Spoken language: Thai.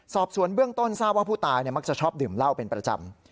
สอบสวนเบื้องต้นทราบว่าผู้ตายมักจะชอบดื่มเหล้าเป็นประจำ